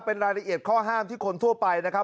เป็นรายละเอียดข้อห้ามที่คนทั่วไปนะครับ